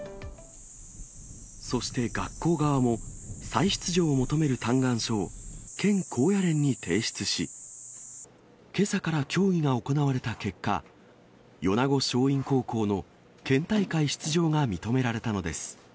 そして、学校側も再出場を求める嘆願書を県高野連に提出し、けさから協議が行われた結果、米子松蔭高校の県大会出場が認められたのです。